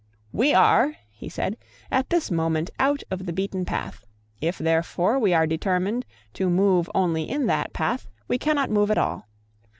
"We are," he said, "at this moment out of the beaten path. If therefore we are determined to move only in that path, we cannot move at all.